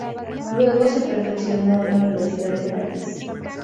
Luego se perfeccionó en la Universidad de París.